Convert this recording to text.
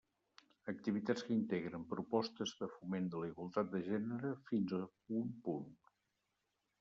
Activitats que integren propostes de foment de la igualtat de gènere, fins a un punt.